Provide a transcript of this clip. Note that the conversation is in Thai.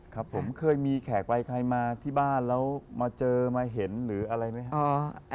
ครับผมเคยมีแขกไปใครมาที่บ้านแล้วมาเจอมาเห็นหรืออะไรไหมครับ